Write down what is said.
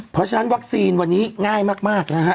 เพราะฉะนั้นวัคซีนวันนี้ง่ายมากนะฮะ